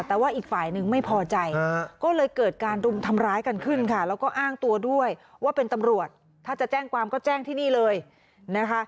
แต่ว่าอีกฝ่ายนึงไม่พอใจก็เลยเกิดการรุมทำร้ายกันขึ้นค่ะแล้วก็อ้างตัวด้วยว่าเป็นตำรวจถ้าจะแจ้งความก็แจ้งที่นี่เลยนะคะ